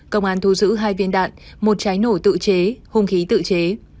công an thu giữ hai viên đạn một trái nổ tự chế hung khí tự chế